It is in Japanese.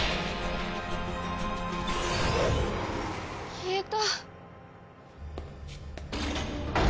消えた。